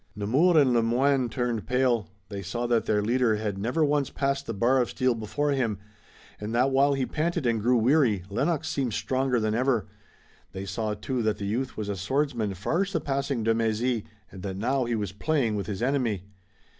Nemours and Le Moyne turned pale. They saw that their leader had never once passed the bar of steel before him, and that while he panted and grew weary Lennox seemed stronger than ever. They saw, too, that the youth was a swordsman far surpassing de Mézy and that now he was playing with his enemy.